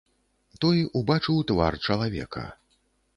Той убачыў твар чалавека.